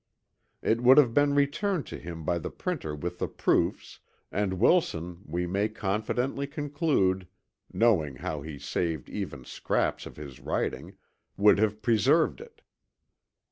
It would have been returned to him by the printer with the proofs; and Wilson we may confidently conclude (knowing how he saved even scraps of his writing) would have preserved it.